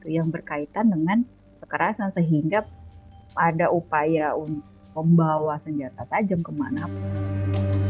yang berkaitan dengan kekerasan sehingga ada upaya membawa senjata tajam kemanapun